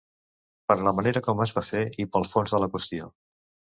Per la manera com es va fer i pel fons de la qüestió.